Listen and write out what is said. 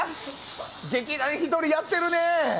劇団ひとり、やってるね！